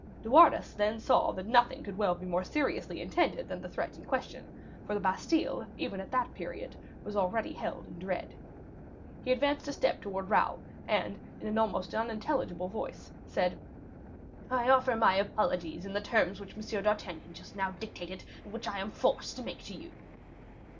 De Wardes then saw that nothing could well be more seriously intended than the threat in question, for the Bastile, even at that period, was already held in dread. He advanced a step towards Raoul, and, in an almost unintelligible voice, said, "I offer my apologies in the terms which M. d'Artagnan just now dictated, and which I am forced to make to you."